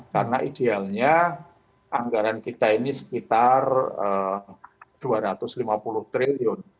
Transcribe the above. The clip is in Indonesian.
karena idealnya anggaran kita ini sekitar dua ratus lima puluh triliun